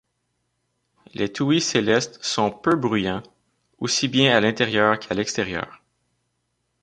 Les toui céleste sont peu bruyants, aussi bien à l'intérieur qu'à l'extérieur.